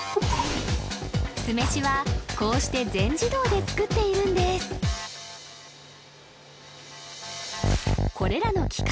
酢飯はこうして全自動で作っているんですこれらの機械